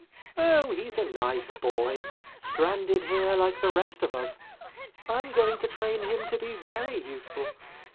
"Oh, he's a nice boy, stranded here like the rest of us. I'm going to train him to be very useful.